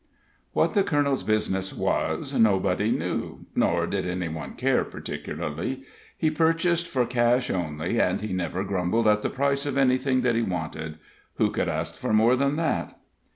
What the colonel's business was nobody knew, nor did any one care, particularly. He purchased for cash only, and he never grumbled at the price of anything that he wanted; who could ask more than that?